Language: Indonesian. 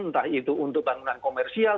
entah itu untuk bangunan komersial